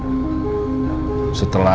masih biasa welshastelan